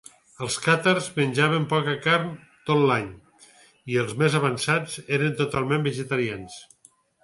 Els càtars menjaven poca carn tot l'any, i els més avançats eren totalment vegetarians.